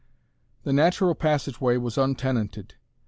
The natural passageway was untenanted.